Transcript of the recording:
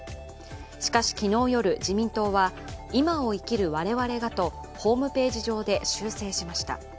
しかし昨日夜、自民党は「今を生きる我々が」とホームページ上で修正しました。